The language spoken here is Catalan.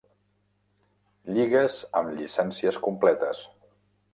Lligues amb llicències completes.